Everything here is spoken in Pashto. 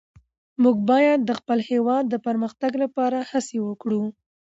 موږ باید د خپل هېواد د پرمختګ لپاره هڅې وکړو.